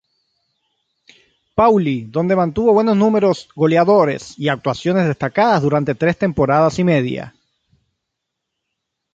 Pauli donde mantuvo buenos números goleadores y actuaciones destacadas durante tres temporadas y media.